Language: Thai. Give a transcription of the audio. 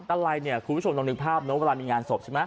ตะไลคุณผู้ชมต้องนึกภาพเวลามีงานศพใช่ไหม